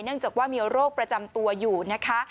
จากว่ามีโรคประจำตัวอยู่นะคะ